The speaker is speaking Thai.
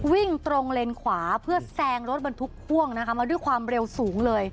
วิ่งตรงเลนขวาเพื่อแซงรถบรรทุกพ่วงนะคะมาด้วยความเร็วสูงเลย